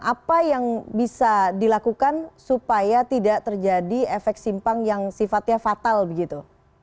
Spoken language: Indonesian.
apa yang bisa dilakukan supaya tidak terjadi efek simpang yang sifatnya fatal begitu